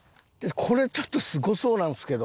これちょっとすごそうなんですけど。